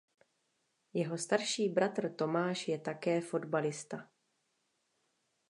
Jeho starší bratr Tomáš je také fotbalista.